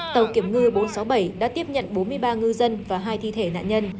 tàu kiểm ngư bốn trăm sáu mươi bảy đã tiếp nhận bốn mươi ba ngư dân và hai thi thể nạn nhân